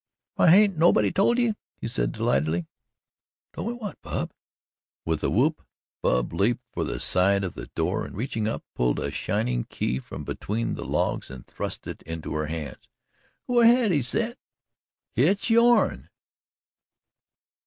"Why, haint nobody told ye?" he said delightedly. "Told me what, Bub?" With a whoop Bud leaped for the side of the door and, reaching up, pulled a shining key from between the logs and thrust it into her hands. "Go ahead," he said. "Hit's yourn."